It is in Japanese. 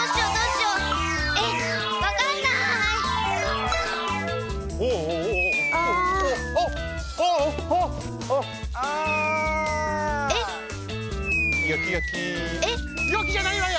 よきじゃないわよ！